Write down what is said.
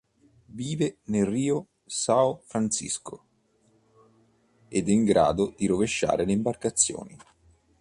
Vive nel Rio São Francisco ed è in grado di rovesciare le imbarcazioni.